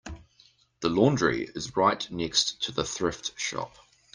The laundry is right next to the thrift shop.